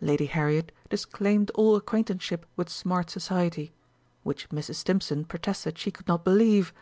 Lady Harriet disclaimed all acquaintanceship with Smart Society, which Mrs. Stimpson protested she could not believe.